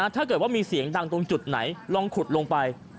ถ้าเกิดว่ามีเสียงดังตรงจุดไหนลองขุดลงไป